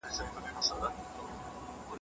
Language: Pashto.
ایټالوي ټولنپوهنه په معاصر وخت کي بدله سوه.